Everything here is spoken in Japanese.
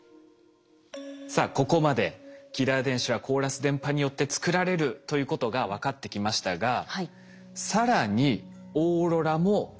さあここまでキラー電子はコーラス電波によって作られるということが分かってきましたが更にオーロラも関係しているそうなんです。